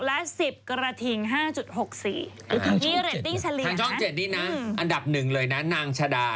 และสิบกระถิ่งห้าจุดหกสี่อันดับหนึ่งเลยนะนางชาดา